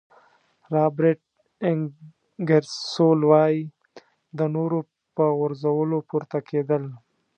رابرټ انګیرسول وایي د نورو په غورځولو پورته کېدل.